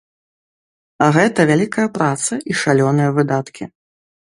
А гэта вялікая праца і шалёныя выдаткі.